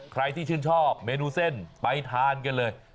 ใครที่ชื่นชอบเมนูเส้นไปทานกันเลย